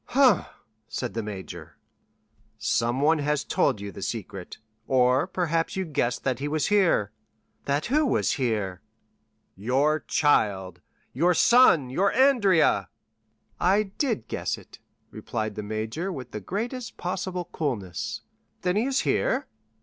"Hum!" said the major. "Someone has told you the secret; or, perhaps, you guessed that he was here." "That who was here?" "Your child—your son—your Andrea!" "I did guess it," replied the major with the greatest possible coolness. "Then he is here?"